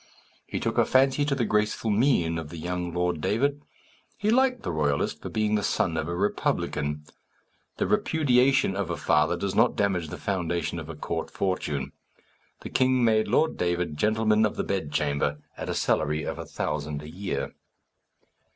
He took a fancy to the graceful mien of the young Lord David. He liked the royalist for being the son of a republican. The repudiation of a father does not damage the foundation of a court fortune. The king made Lord David gentleman of the bedchamber, at a salary of a thousand a year.